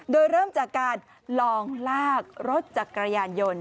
โดยเริ่มจากการลองลากรถจักรยานยนต์